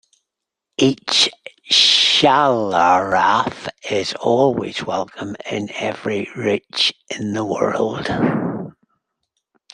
Each Schlaraffe is always welcome in every Reych in the world.